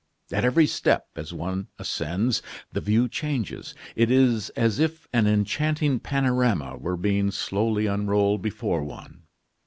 At every step, as one ascends, the view changes. It is as if an enchanting panorama were being slowly unrolled before one.